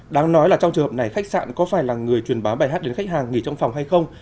đáng nói là trong trường hợp này khách sạn có phải là người truyền bá bài hát đến khách hàng nghỉ trong phòng hay không